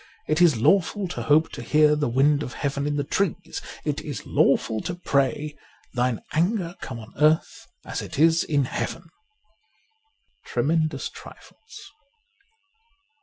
It is lawful to hope to hear the wind of Heaven in the trees. It is lawful to pray, ' Thine anger come on earth as it is in Heaven.' ' Treme?idous Trifles.'